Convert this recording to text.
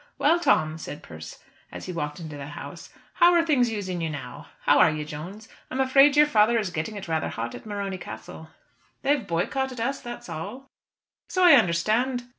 "Well, Tom," said Persse, as he walked into the house, "how are things using you now? How are you, Jones? I'm afraid your father is getting it rather hot at Morony Castle." "They've boycotted us, that's all." "So I understand.